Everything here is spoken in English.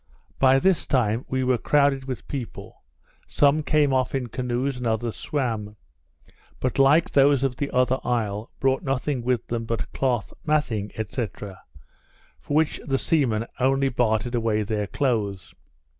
By this time we were crowded with people; some came off in canoes, and others swam; but, like those of the other isle, brought nothing with them but cloth, matting, &c., for which the seamen only bartered away their clothes.